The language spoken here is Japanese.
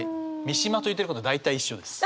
三島と言ってること大体一緒です。